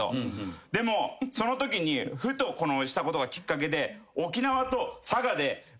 でもそのときにふとしたことがきっかけで。